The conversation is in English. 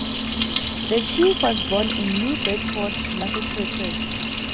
The Chief was born in New Bedford, Massachusetts.